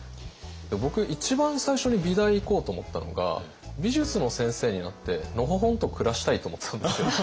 僕一番最初に美大行こうと思ったのが美術の先生になってのほほんと暮らしたいと思ってたんですよ。